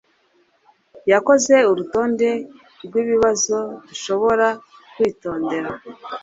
yakoze urutonde rwibibazo dushobora kwitondera